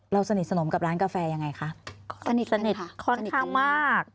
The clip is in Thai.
สนิทสนมกับร้านกาแฟยังไงคะสนิทสนิทค่อนข้างมาก